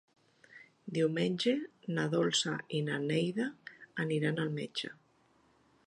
Diumenge na Dolça i na Neida aniran al metge.